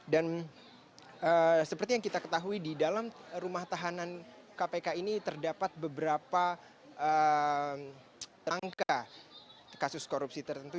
dan seperti yang kita ketahui di dalam rumah tahanan kpk ini terdapat beberapa rangka kasus korupsi tertentu